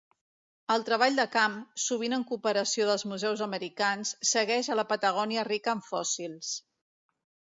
El treball de camp, sovint en cooperació dels museus americans, segueix a la Patagònia rica en fòssils.